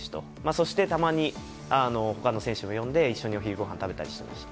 そして、たまに他の選手も呼んで一緒にお昼ごはん食べたりしていました。